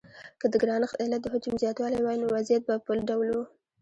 که د ګرانښت علت د حجم زیاتوالی وای نو وضعیت به بل ډول و.